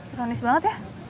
ironis banget ya